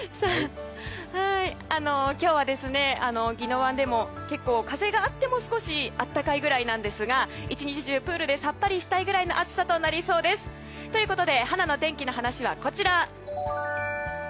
今日は宜野湾でも結構、風があっても少し暖かいぐらいなんですが１日中プールでさっぱりしたいぐらいの暑さとなりそうです。ということではなの天気のはなしはこちら。